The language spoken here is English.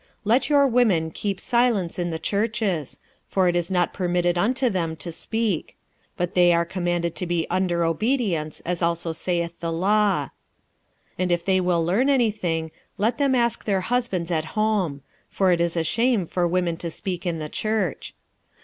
46:014:034 Let your women keep silence in the churches: for it is not permitted unto them to speak; but they are commanded to be under obedience as also saith the law. 46:014:035 And if they will learn any thing, let them ask their husbands at home: for it is a shame for women to speak in the church.